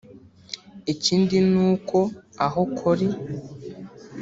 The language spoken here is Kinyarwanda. Ikindi ni uko aho Col